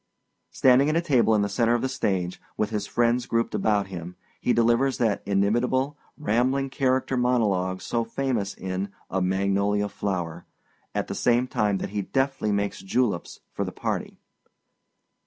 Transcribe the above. Standing at a table in the center of the stage, with his friends grouped about him, he delivers that inimitable, rambling character monologue so famous in A Magnolia Flower, at the same time that he deftly makes juleps for the party.